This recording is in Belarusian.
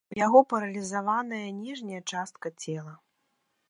У яго паралізаваная ніжняя частка цела.